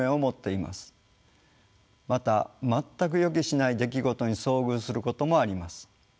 また全く予期しない出来事に遭遇することもあります。